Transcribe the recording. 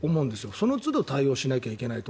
そのつど対応しなきゃいけないと。